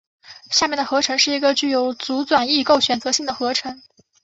下面的合成是一个具有阻转异构选择性的合成。